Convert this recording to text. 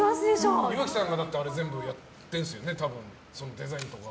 岩城さんが全部やってるんですよねデザインとか。